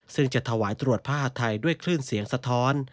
ซึ่งจะถวายตรวจผ้าหัดไทยด้วยคลื่นเสียงสะท้อน